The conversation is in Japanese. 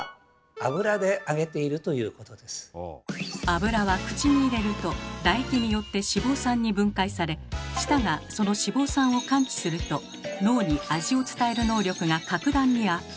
油は口に入れると唾液によって脂肪酸に分解され舌がその脂肪酸を感知すると脳に味を伝える能力が格段にアップ。